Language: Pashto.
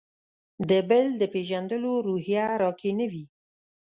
د «بل» د پېژندلو روحیه راکې نه وي.